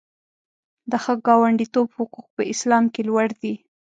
د ښه ګاونډیتوب حقوق په اسلام کې لوړ دي.